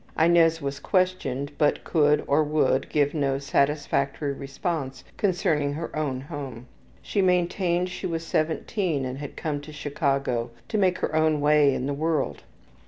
Inez was questioned, but could or would give no satisfactory response concerning her own home. She maintained she was just 17 and had come to Chicago to make her own way in the world.